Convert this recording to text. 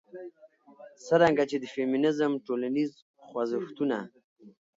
څرنګه چې د فيمنيزم ټولنيز خوځښتونه